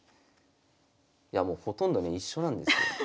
いやもうほとんどね一緒なんですよ。